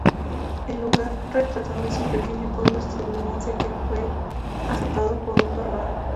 El lugar retratado es un pequeño pueblo estadounidense que fue azotado por un tornado.